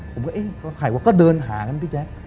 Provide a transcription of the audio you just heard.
ผมก็เอ๊ะใครวะก็เดินหากันพี่แจ๊ค